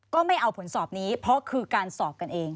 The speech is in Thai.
ก็ไม่เอาผลสอบนี้เพราะคือการสอบกันเอง